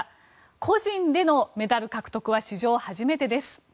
個人でのメダル獲得は史上初めてです。